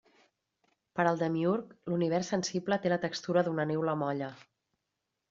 Per al demiürg, l'univers sensible té la textura d'una neula molla.